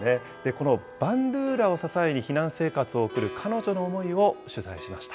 このバンドゥーラを支えに避難生活を送る彼女の思いを取材しまし